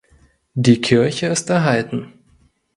Die Kirche ist erhalten.